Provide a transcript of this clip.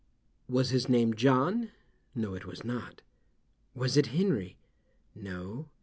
"Was his name John?" "No, it was not." "Was it Henry?" "No."